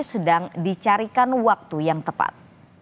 sedang dicarikan waktu yang tepat